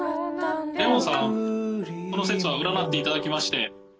レオンさんその節は占っていただきまして。